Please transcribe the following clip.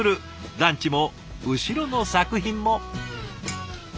ランチも後ろの作品も。